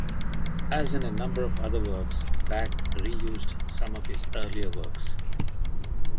As in a number of other works, Bach reused some of his earlier works.